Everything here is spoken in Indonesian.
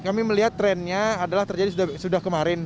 kami melihat trennya adalah terjadi sudah kemarin